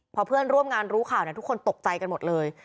พอเพื่อนร่วมงานรู้ข่าวทุกคนตกใจกันหมดเลย